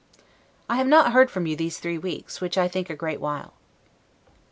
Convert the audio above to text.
I have not heard from you these three weeks, which I think a great while.